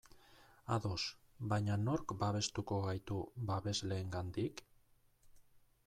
Ados, baina nork babestuko gaitu babesleengandik?